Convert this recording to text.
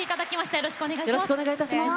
よろしくお願いします。